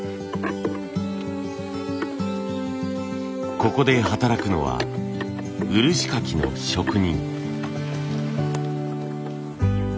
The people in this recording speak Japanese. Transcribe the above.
ここで働くのは漆かきの職人。